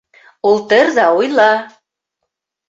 Ултыр ҙа уйла.